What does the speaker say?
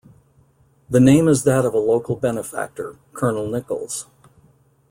The name is that of a local benefactor, Colonel Nichols.